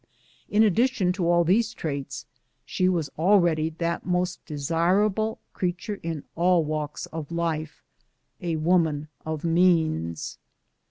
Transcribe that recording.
In ad dition to all these traits, she was already that most desirable creature in all walks of life — "a woman of means."